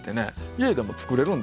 家でも作れるんですよ。